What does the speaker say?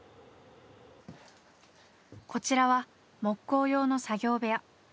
こちらは木工用の作業部屋。